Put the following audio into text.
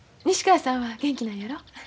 西川さんは元気なんやろ？